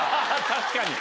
確かに。